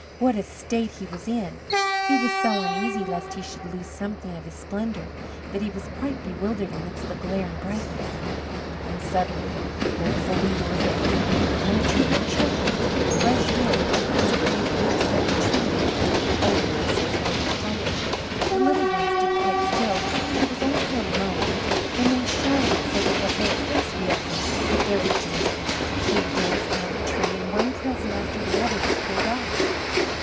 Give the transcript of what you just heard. What a state he was in! He was so uneasy lest he should lose something of his splendour, that he was quite bewildered amidst the glare and brightness; when suddenly both folding doors opened, and a troop of children rushed in as if they would upset the Tree. The older persons followed quietly; the little ones stood quite still. But it was only for a moment; then they shouted so that the whole place reechoed with their rejoicing; they danced round the tree, and one present after the other was pulled off.